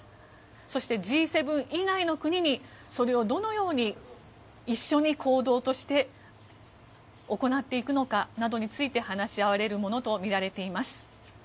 そして、Ｇ７以外の国にそれをどのように一緒に行動として行っていくのかなどについて話し合われるものとみられています。